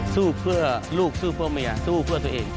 สู้เพื่อลูกสู้เพื่อเมียสู้เพื่อตัวเอง